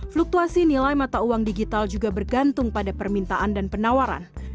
fluktuasi nilai mata uang digital juga bergantung pada permintaan dan penawaran